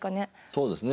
そうですね。